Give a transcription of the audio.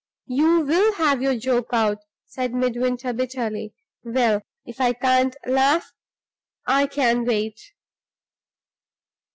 "You will have your joke out," said Midwinter, bitterly. "Well, if I can't laugh, I can wait."